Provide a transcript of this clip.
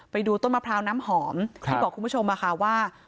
ไปดูต้นมะพร้าวน้ำหอมที่บอกคุณผู้ชมค่ะว่า